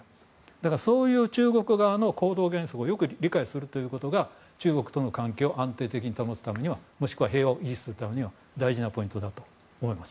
だからそういう中国側の行動原則をよく理解するということが中国との関係を安定的に保つもしくは平和を維持するためには大事なポイントだと思います。